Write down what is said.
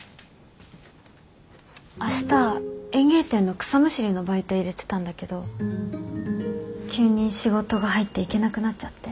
明日園芸店の草むしりのバイト入れてたんだけど急に仕事が入って行けなくなっちゃって。